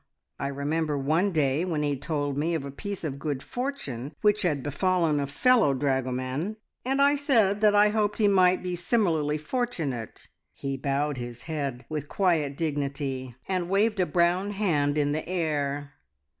I remember one day when he told me of a piece of good fortune which had befallen a fellow dragoman, and I said that I hoped he might be similarly fortunate. He bowed his head with quiet dignity, and waved a brown hand in the air.